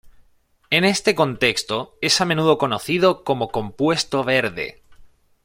En este contexto, es a menudo conocido como compuesto verde.